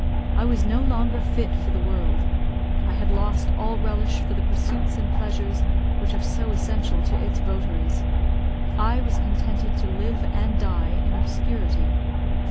I was no longer fit for the world; I had lost all relish for the pursuits and pleasures which are so essential to its votaries; I was contented to live and die in obscurity.